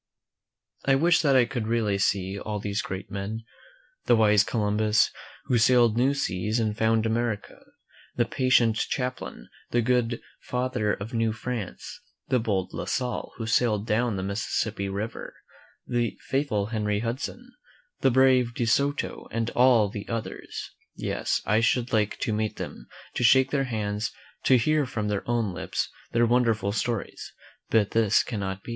I wish that I could really see all these great men — the wise Columbus, who sailed new seas and found America; the patient Champlain, the good Father of New France; the bold La Salle, who sailed down the Mississippi River; the faith ful Henry Hudson, the brave De Soto, and all the others. Yes, I should like to meet them, to shake their hands, to hear from their own lips their wonderful stories; but this cannot be.